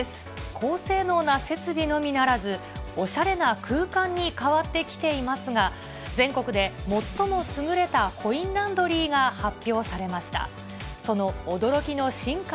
高性能な設備のみならず、おしゃれな空間に変わってきていますが、全国で最も優れたコインランドリーが発表されました。